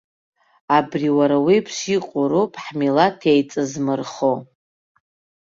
Абри уара уеиԥш иҟоу роуп ҳмилаҭ еиҵзмыркәо.